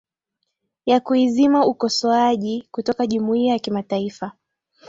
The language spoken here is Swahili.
ya kuizima ukosoaji kutoka jumuiya ya kimataifa